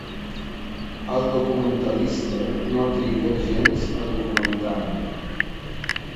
El documentalista no triga gens a documentar-ho.